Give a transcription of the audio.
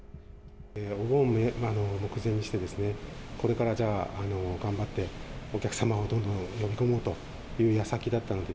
お盆目前にして、これからじゃあ、頑張ってお客様をどんどん呼び込もうというやさきだったので。